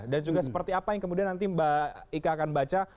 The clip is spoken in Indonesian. juga seperti apa yang kemudian nanti mbak ika akan baca